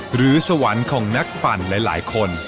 หรือสวรรค์ของนักปั่นหลายคน